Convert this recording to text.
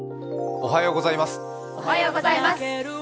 おはようございます。